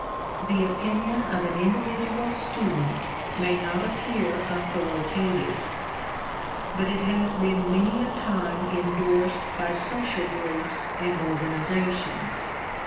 The opinion of an individual student may not appear authoritative, but it has been many a time endorsed by social groups and organisations.